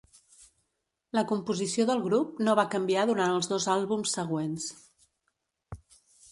La composició del grup no va canviar durant els dos àlbums següents.